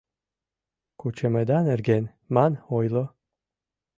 «Кучымыда нерген» ман ойло.